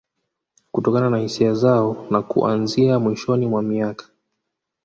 Kutokana na hisia zao na kuanzia mwishoni mwa miaka